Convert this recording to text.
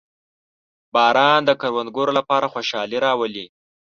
• باران د کروندګرو لپاره خوشحالي راوړي.